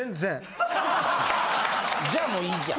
じゃあもういいじゃん。